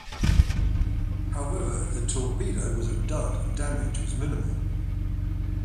However, the torpedo was a dud and damage was minimal.